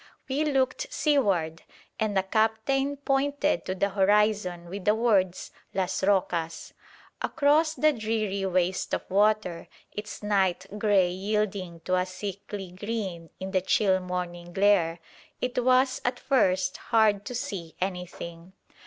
We looked seaward, and the captain pointed to the horizon with the words "las rocas." Across the dreary waste of water, its night grey yielding to a sickly green in the chill morning glare, it was at first hard to see anything.